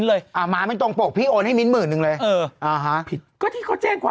เอ้าผิดสิ